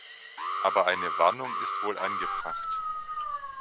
Aber eine Warnung ist wohl angebracht.